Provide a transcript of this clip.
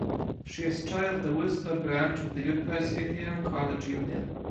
She is chair of the Worcester branch of the University and College Union.